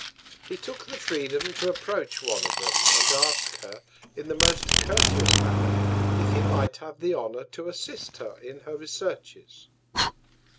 He took the Freedom to approach one of them, and ask her, in the most courteous Manner, if he might have the Honour to assist her in her Researches.